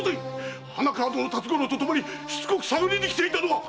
花川戸の辰五郎とともにしつこく探りに来ていたのは！